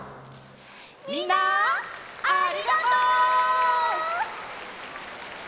みんなありがとう！